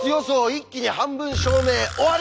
一気に半分証明終わり！